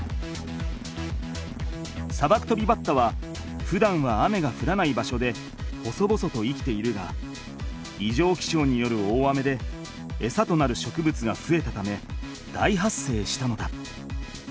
サバクトビバッタはふだんは雨がふらない場所で細々と生きているがいじょうきしょうによる大雨でエサとなる植物がふえたため大発生したのだ。